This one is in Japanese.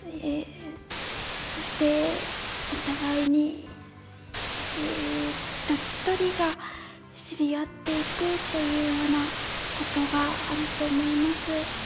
そして、お互いに一人一人が知り合っていくというようなことがあると思います。